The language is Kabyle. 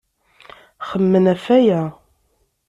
Xemmemen ɣef waya.